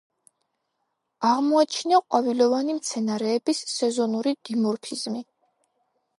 აღმოაჩინა ყვავილოვანი მცენარეების სეზონური დიმორფიზმი.